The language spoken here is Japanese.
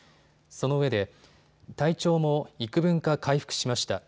そのうえで体調も、いくぶんか回復しました。